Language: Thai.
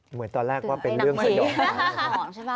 เหมือนตอนแรกว่าเป็นเรื่องสยอง